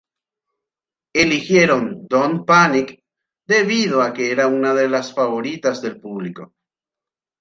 Eligieron "Don't Panic" debido a que era una de las favoritas del público.